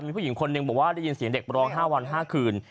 มีผู้หญิงคนหนึ่งบอกว่าได้ยินเสียงเด็กร้อง๕วัน๕คืน